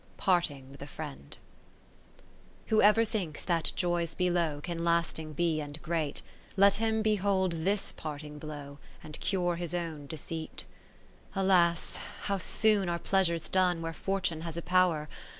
Partinof with a Friend Whoever thinks that joys below Can lasting be and great, Let him behold this parting blow. And cure his own deceit. II Alas ! how soon are Pleasures done Where Fortune has a power